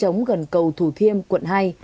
trong các chống gần cầu thủ thiêm quận hai